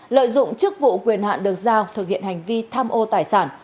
lợi dụng chức vụ quyền hạn được giao thực hiện hành vi tham ô tài sản